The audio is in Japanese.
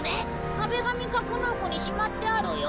かべ紙格納庫にしまってあるよ。